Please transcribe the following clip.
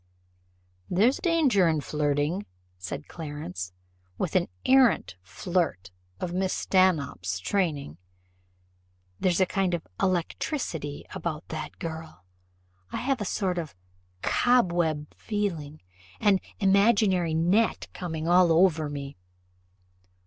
"There's danger in flirting," said Clarence, "with an arrant flirt of Mrs. Stanhope's training. There's a kind of electricity about that girl. I have a sort of cobweb feeling, an imaginary net coming all over me."